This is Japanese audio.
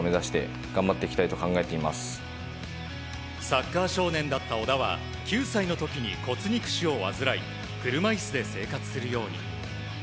サッカー少年だった小田は９歳の時に骨肉腫を患い車いすで生活するように。